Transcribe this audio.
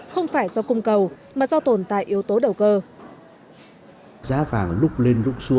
không phải do cung cầu mà do tồn tại yếu tố đầu cơ